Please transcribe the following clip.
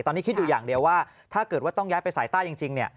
ตอนนี้คิดอยู่อย่างเดียวว่าถ้าเกิดว่าต้องย้ายไปสายใต้จริงเนี่ย